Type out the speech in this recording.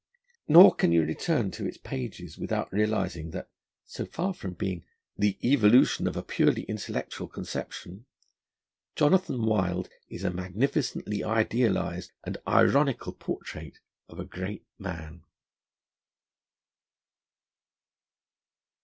Nor can you return to its pages without realising that, so far from being 'the evolution of a purely intellectual conception,' Jonathan Wild is a magnificently idealised and ironical portrait of a great man.